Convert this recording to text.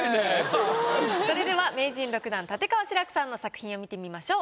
あっそれでは名人６段立川志らくさんの作品を見てみましょう。